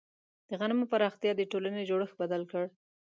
د غنمو پراختیا د ټولنې جوړښت بدل کړ.